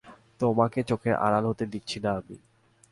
তোমাকে চোখের আড়াল হতে দিচ্ছি না আমি।